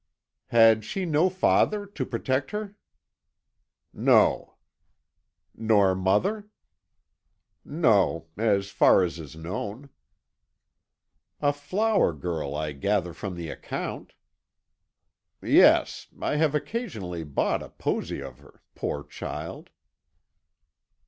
"Had she no father to protect her?" "No." "Nor mother?" "No as far as is known." "A flower girl, I gather from the account." "Yes. I have occasionally bought a posy of her poor child!"